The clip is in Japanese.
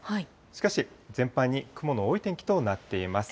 しかし、全般に雲の多い天気となっています。